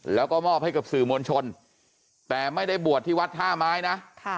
แล้วก็มอบให้กับสื่อมวลชนแต่ไม่ได้บวชที่วัดท่าไม้นะ